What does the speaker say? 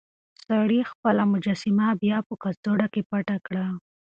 سړي خپله مجسمه بيا په کڅوړه کې پټه کړه.